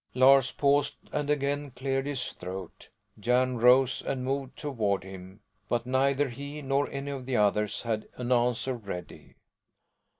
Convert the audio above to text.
Lars paused and again cleared his throat. Jan rose and moved toward him; but neither he nor any of the others had an answer ready.